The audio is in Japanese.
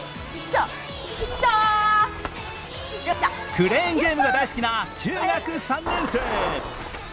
クレーンゲームが大好きな中学３年生。